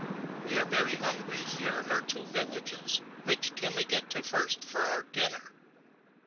We are very hungry; here are two villages, which can we get to first for our dinner?